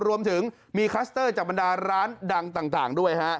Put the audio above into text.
รวมถึงมีคลัสเตอร์จากบรรดาร้านดังต่างด้วยฮะ